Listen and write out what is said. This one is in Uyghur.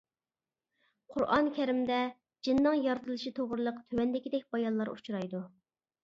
«قۇرئان كەرىم» دە، جىننىڭ يارىتىلىشى توغرىلىق تۆۋەندىكىدەك بايانلار ئۇچرايدۇ.